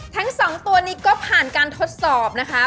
ทั้งสองตัวนี้ก็ผ่านการทดสอบนะคะ